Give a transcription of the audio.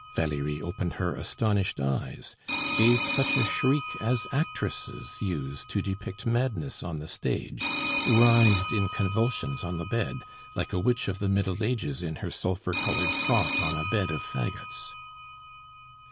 Valerie opened her astonished eyes, gave such a shriek as actresses use to depict madness on the stage, writhed in convulsions on the bed, like a witch of the Middle Ages in her sulphur colored frock on a bed of faggots.